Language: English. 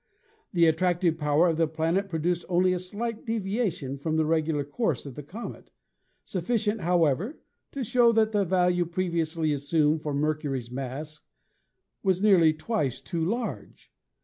The attractive power of the planet produced only a slight deviation from the regular course of the comet, sufficient, however, to show that the value previously assumed for Mercury's mass was nearly twice too large.